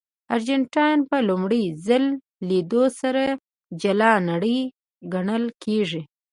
ارجنټاین په لومړي ځل لیدو سره جلا نړۍ ګڼل کېږي.